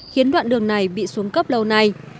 khiến đoạn đường này bị xuống cấp lâu này